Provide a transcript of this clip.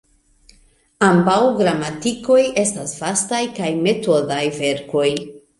Ambaŭ gramatikoj estas vastaj kaj metodaj verkoj.